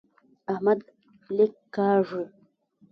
احمد لیک کاږي.